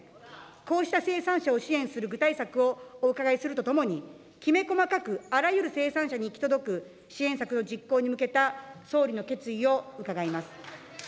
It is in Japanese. こうした生産者を支援する具体策をお伺いするとともに、きめ細かくあらゆる生産者に行き届く支援策の実行に向けた総理の決意を伺います。